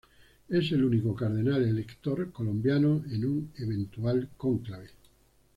Es el único cardenal elector colombiano en un eventual cónclave.